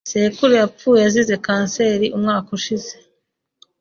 Sekuru yapfuye azize kanseri umwaka ushize .